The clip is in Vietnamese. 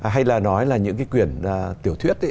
hay là nói là những cái quyển tiểu thuyết